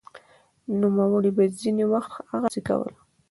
نوموړي به ځیني وخت هغسې کول